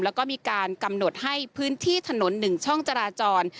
แล้วก็มีการกำหนดให้พื้นที่ถนน๑ช่องจราจร